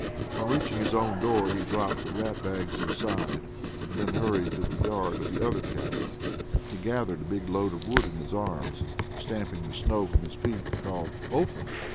On reaching his own door, he dropped the rat bags inside, and then hurried to the yard of the other cabin. He gathered a big load of wood in his arms, and stamping the snow from his feet, called "Open!"